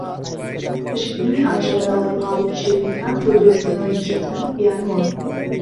پشکنینی ئاژەڵە ماڵی و کێویەکان بۆ دۆزینەوەی دژەتەن بیانوە.